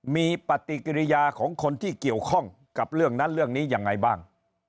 มีปฏิกิริยาของคนที่เกี่ยวข้องกับเรื่องนั้นเรื่องนี้ยังไงบ้าง